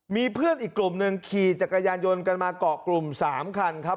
มีเพื่อนอีกกลุ่มหนึ่งขี่จักรยานยนต์กันมาเกาะกลุ่ม๓คันครับ